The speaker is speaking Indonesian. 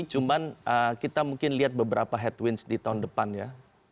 cuman kita mungkin lihat beberapa headwinds di tahun depan ya